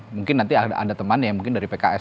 mungkin nanti ada temannya yang mungkin dari pks